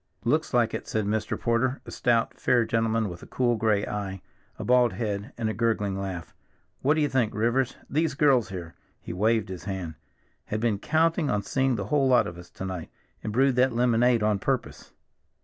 "Looks like it," said Mr. Porter, a stout fair gentleman with a cool gray eye, a bald head, and a gurgling laugh. "What do you think, Rivers, these girls here"—he waved his hand—"had been counting on seeing the whole lot of us to night, and brewed that lemonade on purpose."